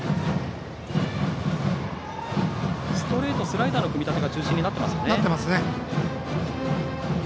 ストレートスライダーの組み立てがなってますね。